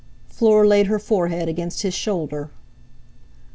Fleur laid her forehead against his shoulder.